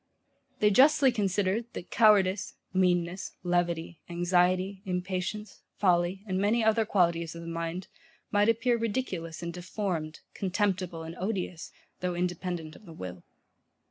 They justly considered that cowardice, meanness, levity, anxiety, impatience, folly, and many other qualities of the mind, might appear ridiculous and deformed, contemptible and odious, though independent of the will.